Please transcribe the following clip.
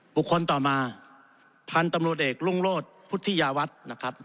ต่อมาพันธุ์ตำรวจเอกรุ่งโรธพุทธิยาวัฒน์นะครับ